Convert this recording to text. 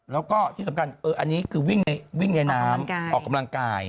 แล้วก็ที่สำคัญอันนี้คือวิ่งในน้ำออกกำลังกาย